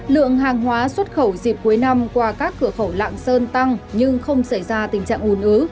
lượng hàng hóa xuất khẩu dịp cuối năm qua các cửa khẩu lạng sơn tăng nhưng không xảy ra tình trạng ủn ứ